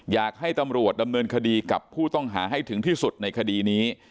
อยากให้ตำรวจดำเนินคดีกับผู้ต้องหาให้ถึงที่สุดในคดีนี้